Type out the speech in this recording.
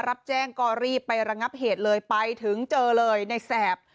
รับแจ้งก็รีบไประงับเหตุเลยไปถึงเจอเลยในแสบ